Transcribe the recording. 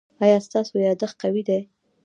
ایا ستاسو یادښت قوي دی؟